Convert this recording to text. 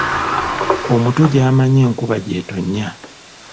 Omuto gy'amanyi enkuba gy'etonnya.